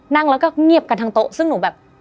นั่งแล้วก็เงียบกันทั้งโต๊ะซึ่งหนูแบบ